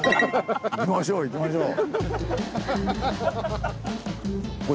行きましょう行きましょう！